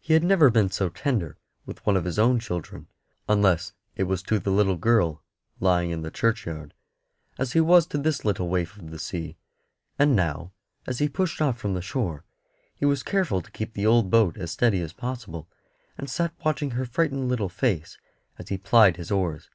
He had never been so tender with one of his own children unless it was to the little girl lying in the churchyard as he was to this little waif of the sea; and now, as he pushed off from the shore, he was careful to keep the old boat as steady as possible, and sat watching her little frightened face as he plied his oars.